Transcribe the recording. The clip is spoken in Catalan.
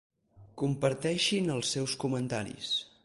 Comparteixin els seus comentaris.